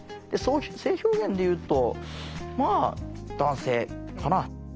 性表現で言うとまあ男性かな。